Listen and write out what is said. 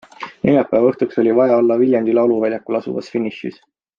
Neljapäeva õhtuks oli vaja olla Viljandi lauluväljakul asuvas finišis.